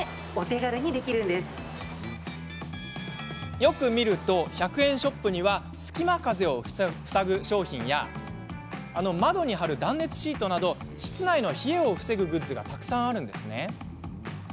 よく見ると１００円ショップには隙間風を塞ぐ商品や窓に貼る断熱シートなど室内の冷えを防ぐグッズがたくさんあるんです。